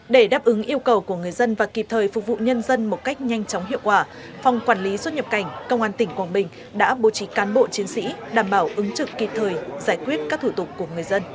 để đáp ứng yêu cầu của người dân và kịp thời phục vụ nhân dân một cách nhanh chóng hiệu quả phòng quản lý xuất nhập cảnh công an tỉnh quảng bình đã bố trí cán bộ chiến sĩ đảm bảo ứng trực kịp thời giải quyết các thủ tục của người dân